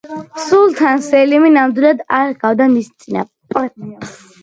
სულთან სელიმი ნამდვილად არ ჰგავდა მის წინაპრებს.